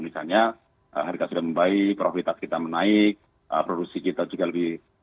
misalnya harga sudah membaik profitas kita menaik produksi kita juga lebih